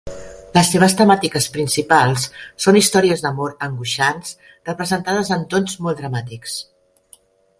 Les seves temàtiques principals són històries d'amor angoixants representades en tons molt dramàtics.